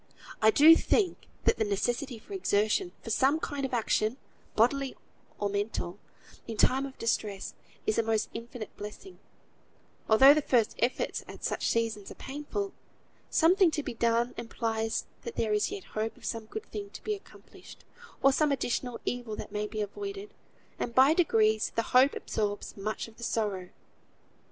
I do think that the necessity for exertion, for some kind of action (bodily or mental) in time of distress, is a most infinite blessing, although the first efforts at such seasons are painful. Something to be done implies that there is yet hope of some good thing to be accomplished, or some additional evil that may be avoided; and by degrees the hope absorbs much of the sorrow.